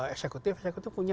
eksekutif eksekutif punya